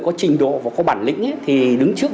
có trình độ và có bản lĩnh thì đứng trước